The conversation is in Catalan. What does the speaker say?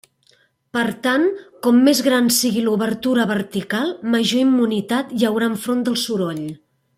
Per tant, com més gran sigui l'obertura vertical, major immunitat hi haurà enfront del soroll.